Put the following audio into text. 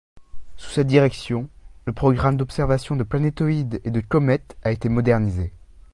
Sous sa direction, le programme d'observation de planétoïdes et de comètes a été modernisé.